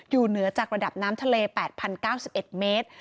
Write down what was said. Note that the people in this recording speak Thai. เหนือจากระดับน้ำทะเล๘๐๙๑เมตร